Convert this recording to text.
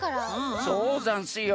そうざんすよ。